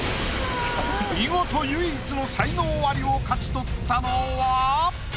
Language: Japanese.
見事唯一の才能アリを勝ち取ったのは？